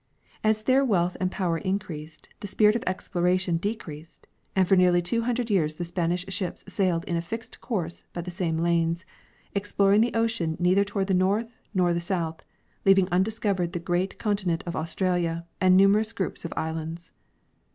As their wealth and power increased the spirit of exploration decreased, and for nearly tAvo hundred years the Spanish ships sailed in a fixed course by the same lanes, exploring the ocean neither toward the north nor the south, leaving undiscovered the great conti nent of Australia and numerous groups of islands.